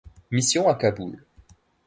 Mission à Kaboul.